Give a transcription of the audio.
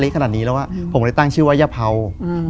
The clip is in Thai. คือก่อนอื่นพี่แจ็คผมได้ตั้งชื่อเอาไว้ชื่อเอาไว้ชื่อ